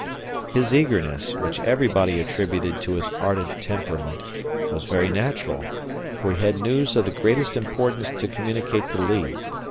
His eagerness, which everybody attributed to his ardent temperament, was very natural, for he had news of the greatest importance to communicate to Lee.